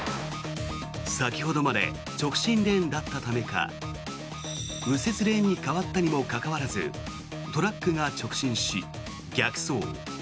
先ほどまで直進レーンだったためか右折レーンに変わったにもかかわらずトラックが直進し逆走。